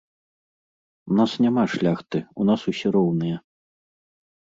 У нас няма шляхты, у нас усе роўныя.